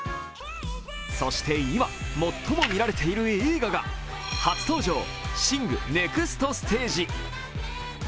そして今、最も見られている映画が、初登場「ＳＩＮＧ／シング：ネクストステージ」。